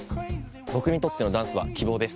僕にとってのダンスは希望です。